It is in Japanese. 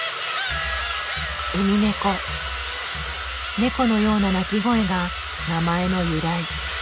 ネコのような鳴き声が名前の由来。